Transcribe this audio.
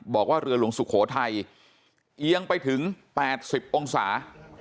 บอกว่าเรือหลวงสุโขทัยเอียงไปถึง๘๐องศา